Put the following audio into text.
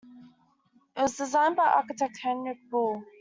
It was designed by architect Henrik Bull.